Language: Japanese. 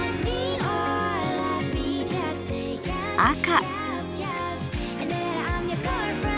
赤。